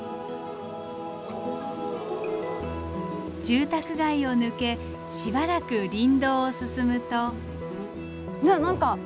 住宅街を抜けしばらく林道を進むと。